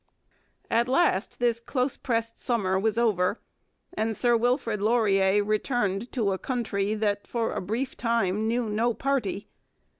At last this close pressed summer was over, and Sir Wilfrid Laurier returned to a country that for a brief time knew no party.